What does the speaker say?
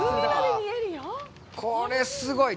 これ、すごい。